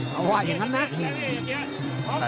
ก็ว่าอย่างนั้นนะ